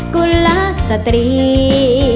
กุลละสตรี